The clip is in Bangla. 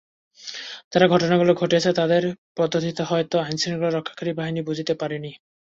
যারা ঘটনাগুলো ঘটিয়েছে, তাদের পদ্ধতিটা হয়তো আইনশৃঙ্খলা রক্ষাকারী বাহিনী বুঝতে পারেনি।